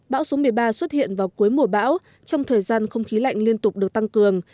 bão số một mươi ba xuất hiện vào cuối mùa bão trong thời gian không khí lạnh liên tục được tăng cường